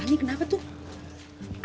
ani kenapa tuh